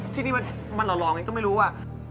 ที่นี่มันเหล่ารองเองก็ไม่รู้ว่ะ